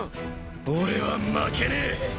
俺は負けねえ！